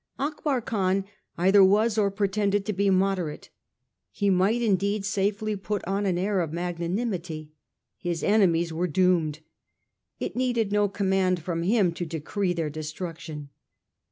Akbar Khan either was or pretended to be moderate. He might indeed safely put on an air of magnanimity. His enemies were doomed. It needed no command from him to decree their destruction.